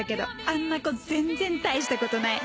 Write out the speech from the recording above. あんな子全然大したことない。